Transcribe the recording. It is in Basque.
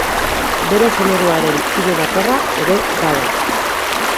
Bere generoaren kide bakarra ere bada.